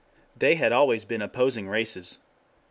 They had always been opposing races.